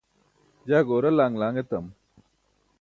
jaa goora laṅ laṅ etam